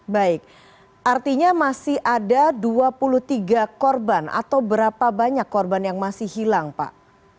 baik artinya masih ada dua puluh tiga korban atau berapa banyak korban yang masih hilang pak